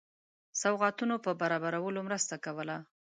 سوغاتونو په برابرولو مرسته کوله.